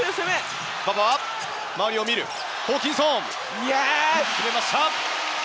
ホーキンソン決めました！